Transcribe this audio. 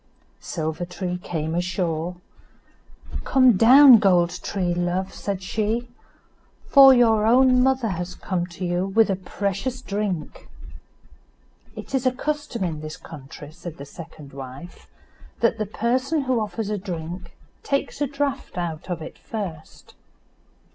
Silver tree came ashore. "Come down, Gold tree, love," said she, "for your own mother has come to you with a precious drink." "It is a custom in this country," said the second wife, "that the person who offers a drink takes a draught out of it first."